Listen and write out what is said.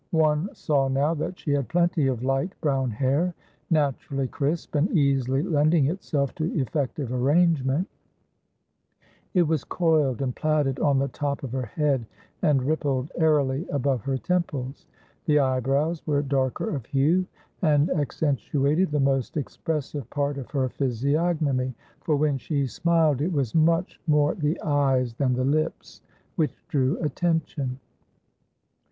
One saw now that she had plenty of light brown hair, naturally crisp and easily lending itself to effective arrangement; it was coiled and plaited on the top of her head, and rippled airily above her temples. The eyebrows were darker of hue, and accentuated the most expressive part of her physiognomy, for when she smiled it was much more the eyes than the lips which drew attention.